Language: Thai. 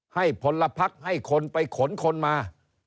ให้ผลพักให้คนไปขนคนมา